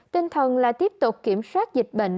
tinh thần là tiếp tục kiểm soát dịch bệnh